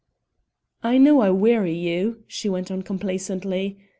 "I know I weary you," she went on complacently.